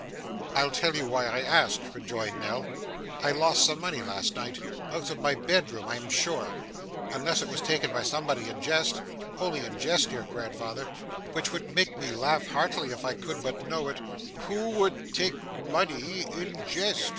'I'll tell you why I ask,' rejoined Nell. 'I lost some money last night out of my bedroom, I am sure. Unless it was taken by somebody in jest only in jest, dear grandfather, which would make me laugh heartily if I could but know it ' 'Who would take money in jest?